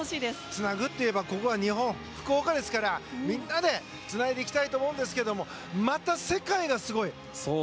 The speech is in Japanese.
つなぐといえばここは日本、福岡ですからみんなでつないでいきたいと思うんですがまた、世界がすごい。